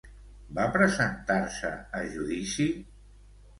Va presentar-se a judici?